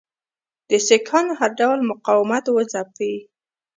د سیکهانو هر ډول مقاومت وځپي.